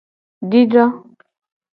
Dido.